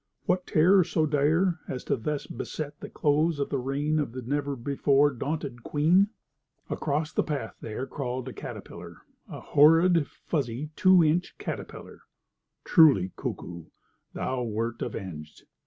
What terror so dire as to thus beset the close of the reign of the never before daunted Queen? Across the path there crawled a caterpillar—a horrid, fuzzy, two inch caterpillar! Truly, Kuku, thou went avenged.